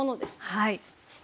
はい。